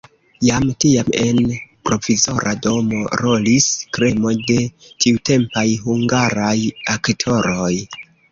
Jam tiam en provizora domo rolis kremo de tiutempaj hungaraj aktoroj.